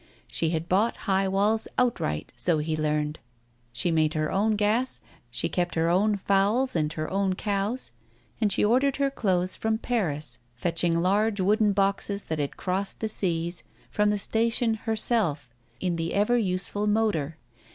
She had bought High Walls outright, so he learned, she made her own gas, she kept her own fowls and her own cows, and she ordered her clothes from Paris, fetching large wooden boxes that had crossed the seas, from the station herself, in the ever useful motor.